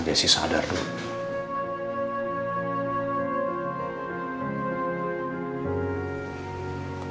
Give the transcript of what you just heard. jesse sadar dulu